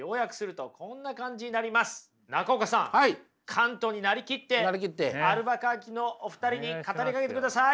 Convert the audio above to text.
カントに成りきってアルバカーキのお二人に語りかけてください。